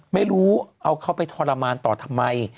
ไม่รู้เอาเขาไปทรมานต่อทำไม